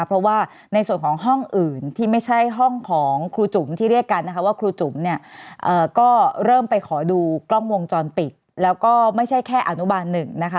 เพราะว่าในส่วนของห้องอื่นที่ไม่ใช่ห้องของครูจุ๋มที่เรียกกันนะคะว่าครูจุ๋มเนี่ยก็เริ่มไปขอดูกล้องวงจรปิดแล้วก็ไม่ใช่แค่อนุบาลหนึ่งนะคะ